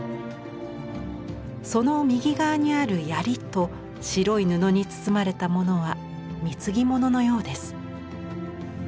その右側にあるやりと白い布に包まれたものは貢ぎ物のようです。